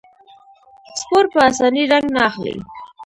سپور په اسانۍ رنګ نه اخلي.